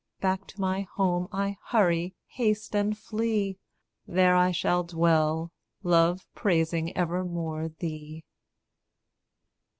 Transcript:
Back to my home I hurry, haste, and flee; There I shall dwell, love praising evermore thee.